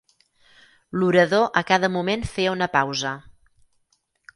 L'orador a cada moment feia una pausa.